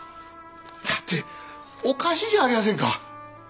だっておかしいじゃありやせんか。